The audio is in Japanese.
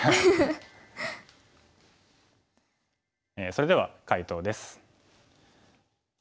それでは解答です。